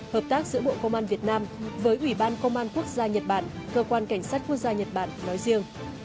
hợp tác giữa bộ công an việt nam với ủy ban công an quốc gia nhật bản cơ quan cảnh sát quốc gia nhật bản nói riêng